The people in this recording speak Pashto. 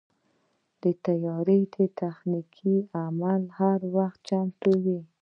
د طیارې تخنیکي عمله هر وخت چمتو وي.